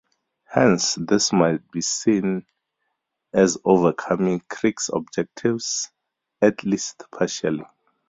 Hence, this might be seen as overcoming Crick's objections, at least partially.